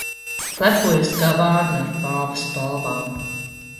Lepojas kā vārna ar pāva spalvām.